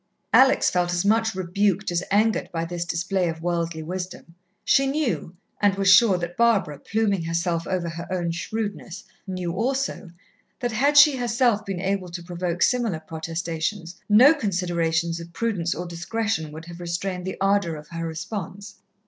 Alex felt as much rebuked as angered by this display of worldly wisdom. She knew, and was sure that Barbara, pluming herself over her own shrewdness, knew also, that had she herself been able to provoke similar protestations, no considerations of prudence or discretion would have restrained the ardour of her response.